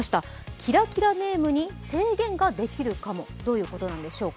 キラキラネームに制限ができるかも、どういうことなんでしょうか。